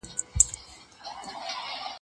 زه به اوږده موده د ليکلو تمرين کړی وم..